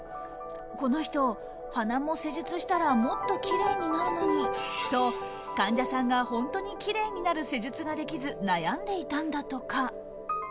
この人、鼻も施術したらもっときれいになるのに！と患者さんが本当にきれいになる施術ができず悩んでいたんだとか。